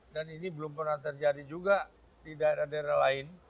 dan ini belum pernah terjadi juga di daerah daerah lain